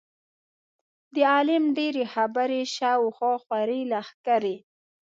د عالم ډېرې خبرې شا او خوا خورې لښکرې.